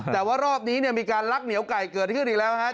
แต่ว่ารอบนี้เนี่ยมีการลักเหนียวไก่เกิดขึ้นอีกแล้วฮะ